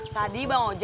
tadi bang ojak